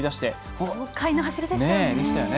豪快な走りでしたね。